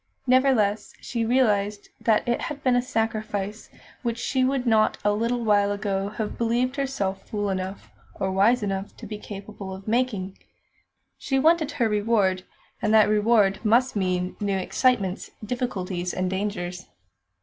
Nevertheless, she realised that it had been a sacrifice which she would not a little while ago have believed herself fool enough, or wise enough, to be capable of making. She wanted her reward, and that reward must mean new excitements, difficulties, and dangers.